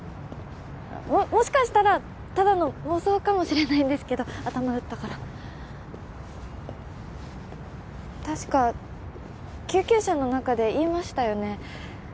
もしかしたらただの妄想かもしれないんですけど頭打ったから確か救急車の中で言いましたよね？